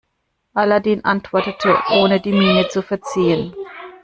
Aladin antwortete, ohne die Miene zu verziehen.